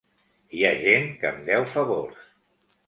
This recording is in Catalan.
Hi ha gent que em deu favors.